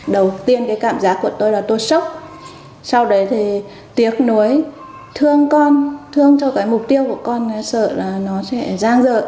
đầu tiên cái cảm giác của tôi là tôi sốc sau đấy thì tiếc nuối thương con thương cho cái mục tiêu của con sợ là nó sẽ giang dở